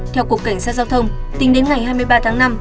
theo cục cảnh sát giao thông tính đến ngày hai mươi ba tháng năm